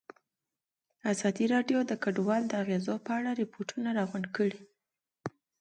ازادي راډیو د کډوال د اغېزو په اړه ریپوټونه راغونډ کړي.